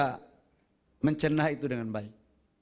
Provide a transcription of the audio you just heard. bisa mencerna itu dengan baik